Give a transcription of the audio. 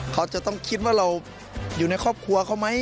เขาจะต้องคิดว่าเราอยู่ในครอบครัวเขาไหม